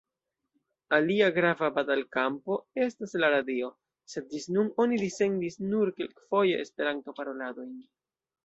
Alia grava batalkampo estas la radio, sed ĝis nun oni dissendis nur kelkfoje Esperanto-paroladojn.